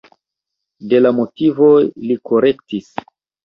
De la motivoj li korektis.